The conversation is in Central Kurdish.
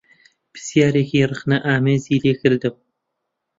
پرسیارێکی ڕخنەئامێزی لێ کردم